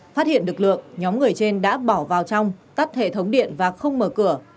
phát hiện lực lượng nhóm người trên đã bỏ vào trong cắt hệ thống điện và không mở cửa